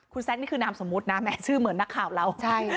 คุณแซคนี่คือนามสมมุตินะแหมชื่อเหมือนนักข่าวเรา